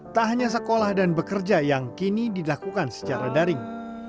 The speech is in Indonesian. tak hanya sekolah dan bekerja yang kini dilakukan secara daring